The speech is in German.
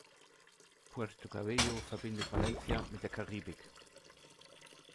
Puerto Cabello verbindet Valencia mit der Karibik.